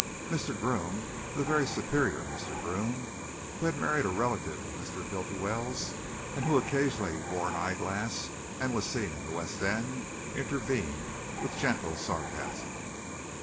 Mr. Groome the very superior Mr. Groome, who had married a relative of Mr. Bultiwell's, and who occasionally wore an eyeglass and was seen in the West End intervened with gentle sarcasm.